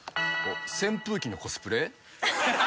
扇風機のコスプレ。